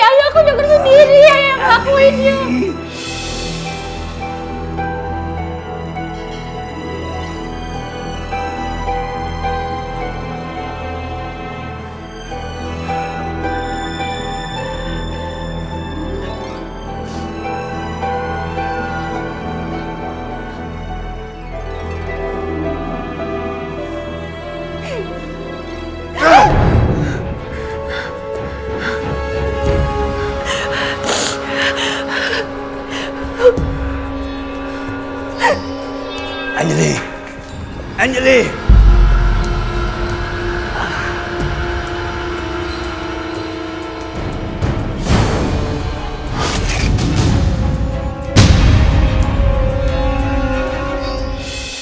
ayah aku jaga sendiri yang ngelakuin ini